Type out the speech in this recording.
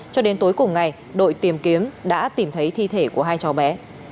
cho đến tối cùng ngày đội tìm kiếm đã tìm thấy thi thể của hai cháu bé